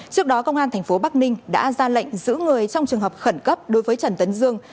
trước đó công an tp bắc ninh đã ra lệnh giữ người trong trường hợp khẩn cấp đối với trần tấn dương